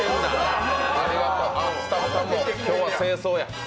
スタッフさんも、今日は正装や。